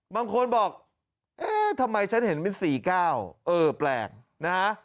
บางคนบอกเอ๊ะทำไมฉันเห็นเป็น๔๙เออแปลกนะฮะ